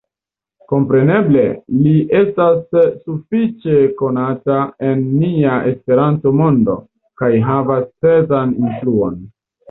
Kompreneble, li estas sufiĉe konata en nia Esperanto-mondo kaj havas certan influon.